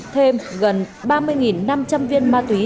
thêm gần ba mươi năm trăm linh viên ma túy